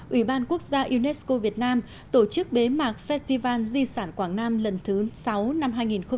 ủy ban quốc gia unesco việt nam tổ chức bế mạc festival di sản quảng nam lần thứ sáu năm hai nghìn một mươi chín